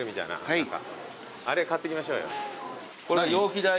あれ買ってきましょうよ。